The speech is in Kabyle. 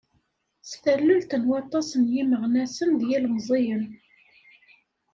S tallelt n waṭas n yimeɣnasen d yilemẓiyen.